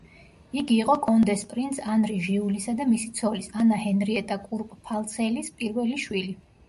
იგი იყო კონდეს პრინც ანრი ჟიულისა და მისი ცოლის, ანა ჰენრიეტა კურპფალცელის პირველი შვილი.